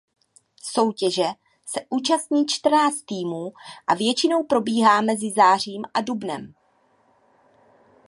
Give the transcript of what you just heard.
Soutěže se účastní čtrnáct týmů a většinou probíhá mezi zářím a dubnem.